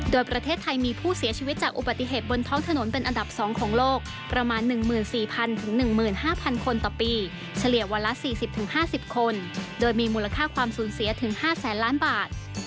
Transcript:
โดยประเทศไทยมีผู้เสียชีวิตจากอุบัติเหตุบนท้องถนนเป็นอันดับสองของโลกประมาณหนึ่งหมื่นสี่พันถึงหนึ่งหมื่นห้าพันคนต่อปีเฉลี่ยวันละสี่สิบถึงห้าสิบคนโดยมีมูลค่าความสูญเสียถึงห้าแสนล้านบาท